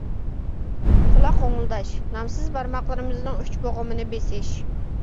قۇلاق غوڭۇلداش: نامسىز بارماقلىرىمىزنىڭ ئۈچ بوغۇمىنى بېسىش.